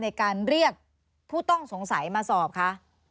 ในการเรียกผู้ต้องสงสัยมาสอบคะ